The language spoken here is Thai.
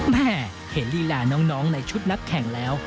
แม่เห็นลีลาน้องในชุดนักแข่งแล้ว